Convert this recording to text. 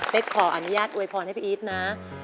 เป็นขออนุญาตอวยพรให้พี่อีทนะ